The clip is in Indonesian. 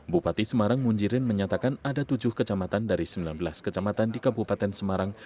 bupati semarang munjirin menyatakan ada tujuh kecamatan dari sembilan belas kecamatan di kabupaten semarang